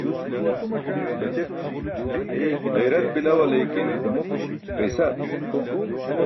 Ġayrat bila, waliikin paysa api.